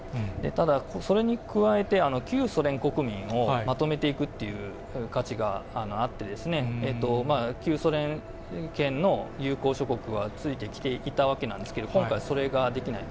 ただ、それに加えて旧ソ連国民をまとめていくっていう価値があってですね、旧ソ連圏の友好諸国はついてきていたわけなんですけれども、今回、それができない。